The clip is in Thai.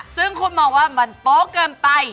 ซึ่งคุณมองว่ามันโป๊ะเกินไป